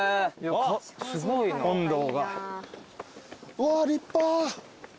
うわ立派。